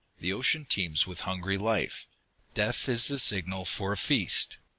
"The ocean teems with hungry life. Death is the signal for a feast.